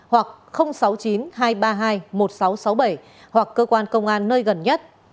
hoặc sáu mươi chín hai trăm ba mươi hai một nghìn sáu trăm sáu mươi bảy hoặc cơ quan công an nơi gần nhất